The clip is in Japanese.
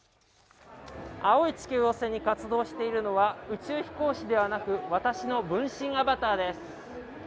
青い地球を背に活動しているのは宇宙飛行士ではなく私の分身アバターです